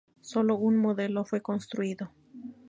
Sólo un modelo fue construido.